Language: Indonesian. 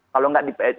kalau nggak di